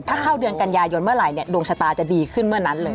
ถ้าเข้าเดือนกันยายนเมื่อไหร่เนี่ยดวงชะตาจะดีขึ้นเมื่อนั้นเลย